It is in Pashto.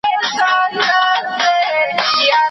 چي له لیري یې خوني پړانګ سو تر سترګو